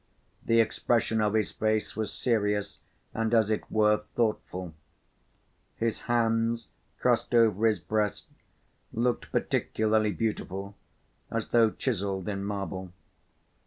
The expression of his face was serious and, as it were, thoughtful. His hands, crossed over his breast, looked particularly beautiful, as though chiseled in marble.